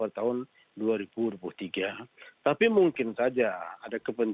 jadi juga polisi dan privilisiliti tapi juga misalnya kas salio oluyorgement